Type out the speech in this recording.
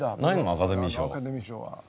アカデミー賞は。